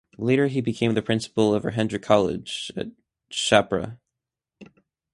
Later he became the Principal of Rajendra College at Chhapra.